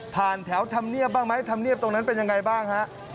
แถวธรรมเนียบบ้างไหมธรรมเนียบตรงนั้นเป็นยังไงบ้างฮะ